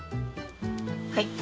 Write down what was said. はい。